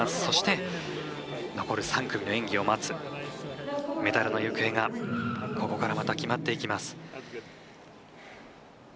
そして、残る３組の演技を待つメダルの行方がここからまた決まっていきます。